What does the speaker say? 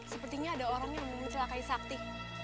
sepertinya ada orang yang menemukan celaka sakti